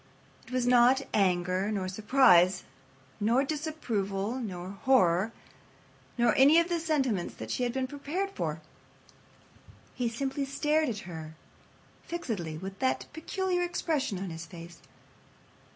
It was not anger, nor surprise, nor disapproval, nor horror, nor any of the sentiments that she had been prepared for. He simply stared at her fixedly with that peculiar expression on his face.